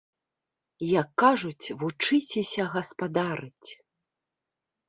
Як кажуць, вучыцеся гаспадарыць!